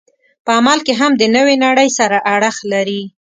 په عمل کې هم د نوې نړۍ سره اړخ لري.